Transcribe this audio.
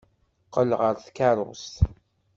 Qqel ɣer tkeṛṛust.